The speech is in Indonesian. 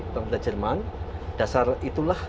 pemerintah jerman dasar itulah